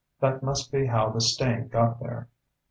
That must be how the stain got there.